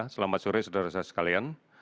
selamat sore saudara saudara sekalian